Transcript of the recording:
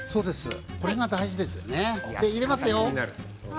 これが大事ですね。